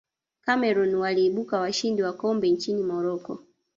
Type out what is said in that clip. cameroon waliibuka washindi wa kombe nchini morocco